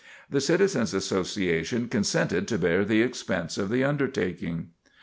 The Citizens' Association consented to bear the expense of the undertaking.